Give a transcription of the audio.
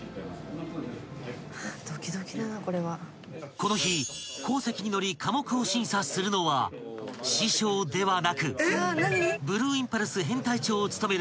［この日後席に乗り科目を審査するのは師匠ではなくブルーインパルス編隊長を務める